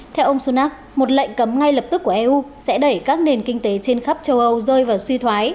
theo ông sunak một lệnh cấm ngay lập tức của eu sẽ đẩy các nền kinh tế trên khắp châu âu rơi vào suy thoái